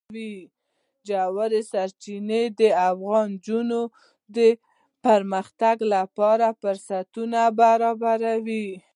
ژورې سرچینې د افغان نجونو د پرمختګ لپاره فرصتونه برابروي.